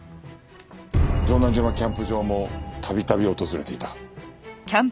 城南島キャンプ場も度々訪れていた。